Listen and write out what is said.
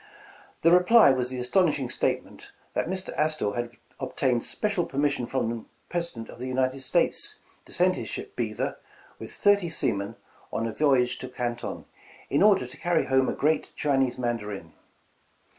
"The reply was the astonishing statement, that Mr. Astor had obtained special permission from the Presi dent of the United States, to send his ship 'Beaver' with thirty seamen on a voyage to Canton, in order to carry home a great Chinese Mandarin.